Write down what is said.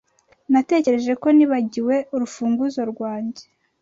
Natekereje ko nibagiwe urufunguzo rwanjye.